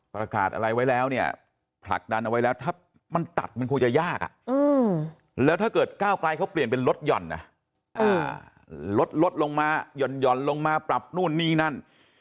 ประกาศอะไรไว้แล้วเนี่ยผลักดันเอาไว้แล้วถ้ามันตัดมันคงจะยากแล้วถ้าเกิดก้าวไกลเขาเปลี่ยนเป็นลดหย่อนนะลดลงมาหย่อนลงมาปรับนู่นนี่นั่น